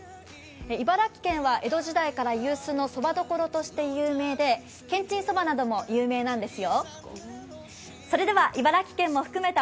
茨城県は江戸時代から有数のそばどころとして有名でけんちんそばなども有名なんですよ。